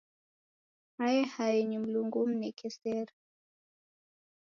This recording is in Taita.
Hae haenyi, Mlungu umneke sere.